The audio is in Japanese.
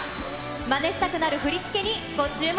まねしたくなる振り付けにご注目。